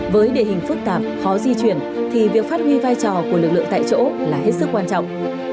với địa hình phức tạp khó di chuyển thì việc phát huy vai trò của lực lượng tại chỗ là hết sức quan trọng